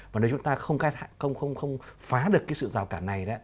nếu chúng ta không phá được sự rào cản này